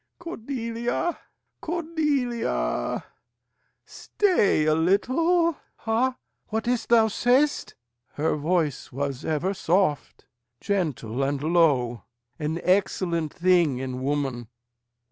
Cordelia, Cordelia! stay a little. Ha! What is't thou say'st, Her voice was ever soft, Gentle, and low an excellent thing in woman.